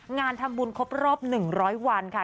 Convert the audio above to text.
งานทำบุญครบรอบ๑๐๐วันค่ะ